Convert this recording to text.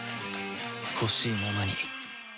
ほしいままに